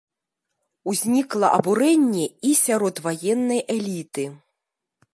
Узнікла абурэнне і сярод ваеннай эліты.